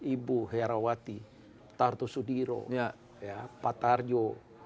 ibu herawati tartusudiro pak tarjo